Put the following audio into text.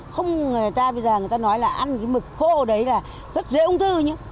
không người ta bây giờ người ta nói là ăn cái mực khô đấy là rất dễ ung thư nhé